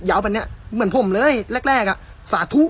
แบบนี้เหมือนผมเลยแรกแรกอ่ะสาธุ